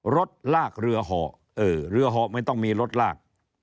รถลากเรือห่อเรือเหาะไม่ต้องมีรถลาก